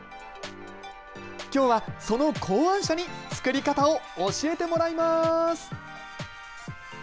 きょうはその考案者に作り方を教えてもらいます。